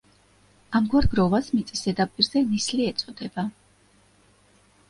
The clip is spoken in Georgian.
ამგვარ გროვას მიწის ზედაპირზე ნისლი ეწოდება.